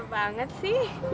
gak enak sih